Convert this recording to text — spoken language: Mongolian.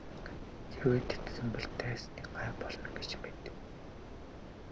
Хэрвээ тэгэх юм бол дайсны бай болно гэж мэд.